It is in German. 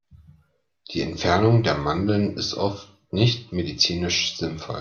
Die Entfernung der Mandeln ist oft nicht medizinisch sinnvoll.